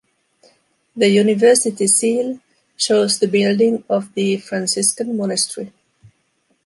The university seal shows the building of the Franciscan monastery.